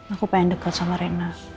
aku pengen deket sama rena